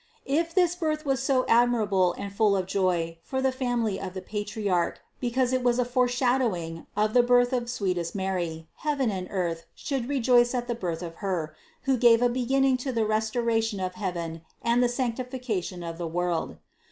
If that birth was so admirable and full of joy for the family of the Patriarch because it was a fore shadowing of the birth of sweetest Mary, heaven and earth should rejoice at the birth of Her, who gave a be ginning to the restoration of heaven and the sanctifica tion of the world.